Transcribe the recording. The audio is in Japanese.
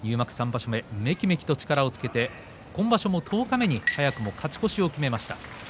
３場所目めきめきと力をつけて今場所も十日目で、早くも勝ち越しを決めました。